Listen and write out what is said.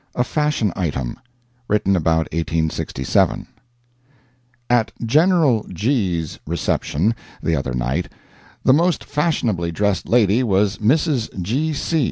A FASHION ITEM [Written about 1867.] At General G 's reception the other night, the most fashionably dressed lady was Mrs. G. C.